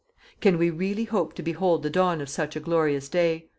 Can we really hope to behold the dawn of such a glorious day?